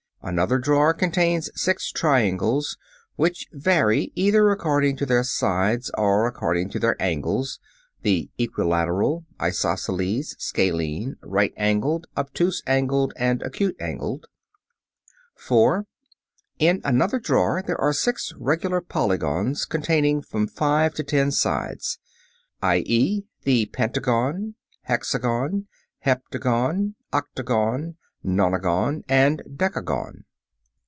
] (3) Another drawer contains six triangles, which vary either according to their sides or according to their angles (the equilateral, isosceles, scalene, right angled, obtuse angled, and acute angled). (Fig. 19.) [Illustration: FIG. 19. SET OF SIX TRIANGLES.] (4) In another drawer there are six regular polygons containing from five to ten sides, i.e., the pentagon, hexagon, heptagon, octagon, nonagon, and decagon.